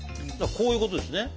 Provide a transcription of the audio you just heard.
こういうことですね。